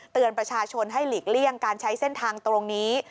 เตือนประชาชนให้หลีกเลี่ยงการใช้เส้นทางตรงนี้